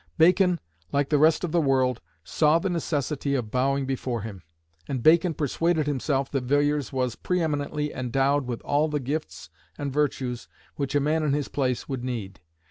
Bacon, like the rest of the world, saw the necessity of bowing before him; and Bacon persuaded himself that Villiers was pre eminently endowed with all the gifts and virtues which a man in his place would need.